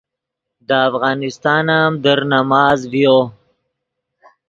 دے افغانستان ام در نماز ڤیو